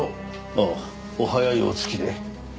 ああお早いお着きで。